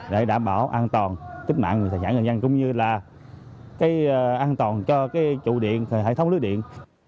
để đảm bảo an toàn tích mạng hải sản người dân cũng như là an toàn cho cái trụ điện hệ thống lưới điện